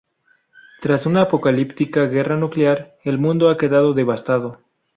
Tras una apocalíptica guerra nuclear, el mundo ha quedado devastado.